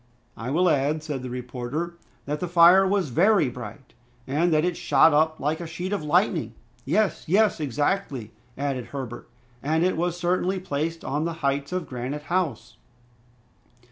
"I will add," said the reporter, "that the fire was very bright, and that it shot up like a sheet of lightning." "Yes, yes! exactly," added Herbert, "and it was certainly placed on the heights of Granite House."